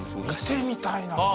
見てみたいな。